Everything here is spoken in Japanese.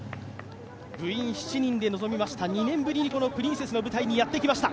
部員７人で臨みました、２年ぶりにプリンセスの舞台にやってきました。